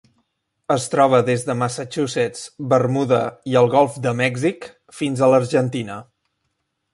Es troba des de Massachusetts, Bermuda i el Golf de Mèxic fins a l'Argentina.